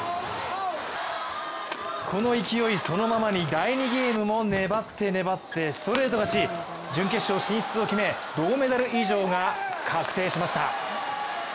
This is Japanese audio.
この勢いそのままに第２ゲームも粘って粘ってストレート勝ち、準決勝進出を決め、銅メダル以上が確定しました。